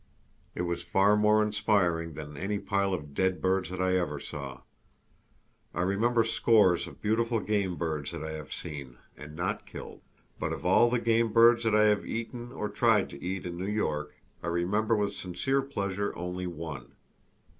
It was far more inspiring than any pile of dead birds that I ever saw. I remember scores of beautiful game birds that I have seen and not killed; but of all the game birds that I have eaten or tried to eat in New York, I remember with sincere pleasure only one.